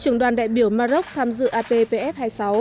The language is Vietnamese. trưởng đoàn đại biểu mà rốc tham dự appf hai mươi sáu